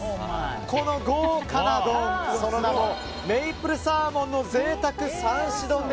この豪華な丼、その名もメイプルサーモンの贅沢３種丼！